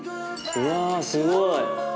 うわすごい。